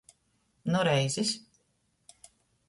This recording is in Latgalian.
Nu reizes.